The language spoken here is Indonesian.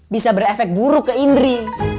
bisa berefek buruk ke indri